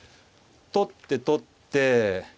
取って取って。